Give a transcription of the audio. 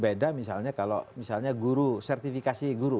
beda misalnya kalau misalnya guru sertifikasi guru